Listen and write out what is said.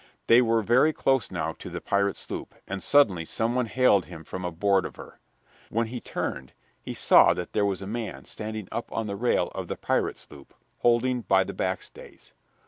They were very close now to the pirate sloop, and suddenly some one hailed him from aboard of her. When he turned he saw that there was a man standing up on the rail of the pirate sloop, holding by the back stays.